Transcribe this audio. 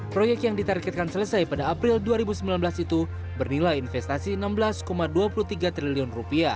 proyek yang ditargetkan selesai pada april dua ribu sembilan belas itu bernilai investasi rp enam belas dua puluh tiga triliun